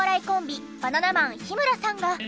コンビバナナマン日村さんが。